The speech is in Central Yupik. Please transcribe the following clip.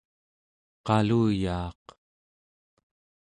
qaluyaaq